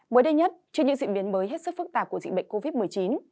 mới đây nhất trước những diễn biến mới hết sức phức tạp của dịch bệnh covid một mươi chín